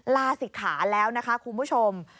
ลาศิกขาแล้วนะคะคุณผู้ชม